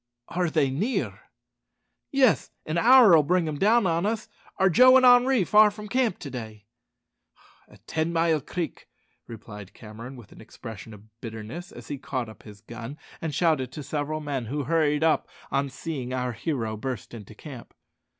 "Are they near?" "Yes; an hour'll bring them down on us. Are Joe and Henri far from camp to day?" "At Ten mile Creek," replied Cameron with an expression of bitterness, as he caught up his gun and shouted to several men, who hurried up on seeing our hero burst into camp.